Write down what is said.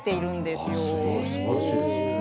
すばらしいですね。